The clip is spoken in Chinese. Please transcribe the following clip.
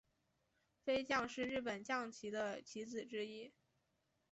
飞将是日本将棋的棋子之一。